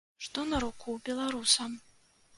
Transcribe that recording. Што на руку беларусам.